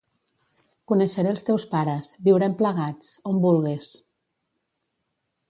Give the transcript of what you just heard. Coneixeré els teus pares, viurem plegats, on vulgues.